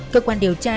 cơ quan điều tra